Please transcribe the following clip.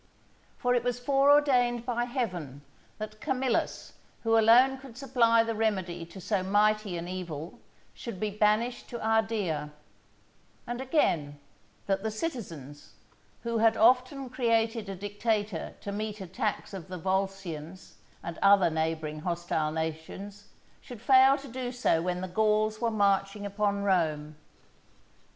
For it was fore ordained by Heaven that Camillus, who alone could supply the remedy to so mighty an evil, should be banished to Ardea; and again, that the citizens, who had often created a dictator to meet attacks of the Volscians and other neighbouring hostile nations, should fail to do so when the Gauls were marching upon Rome.